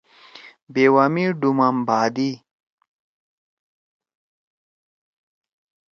بیوا می ڈُھومام بھادی۔